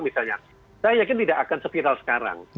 misalnya saya yakin tidak akan sepiral sekarang